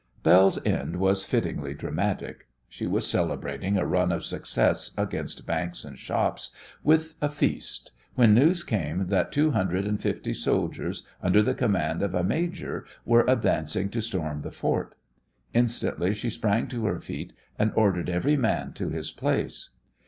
Belle's end was fittingly dramatic. She was celebrating a run of success against banks and shops with a feast when news came that two hundred and fifty soldiers under the command of a major were advancing to storm the fort. Instantly she sprang to her feet and ordered every man to his place.